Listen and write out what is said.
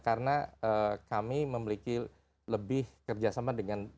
karena kami memiliki lebih kerjasama dengan